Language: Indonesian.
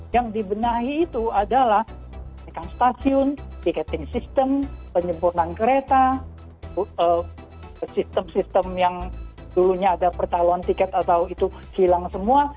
yang dibenahi itu adalah stasiun tiketing system penyempurnaan kereta sistem sistem yang dulunya ada percaloan tiket atau itu hilang semua